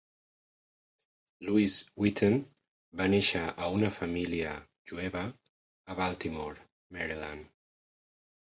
Louis Witten va néixer a una família jueva a Baltimore, Maryland.